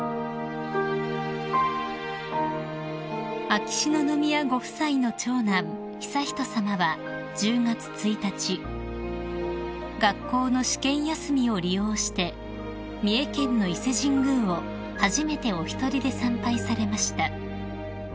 ［秋篠宮ご夫妻の長男悠仁さまは１０月１日学校の試験休みを利用して三重県の伊勢神宮を初めてお一人で参拝されました］